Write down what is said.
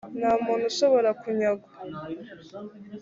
nta muntu ushobora kunyagwa